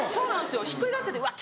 ひっくり返っちゃってうわ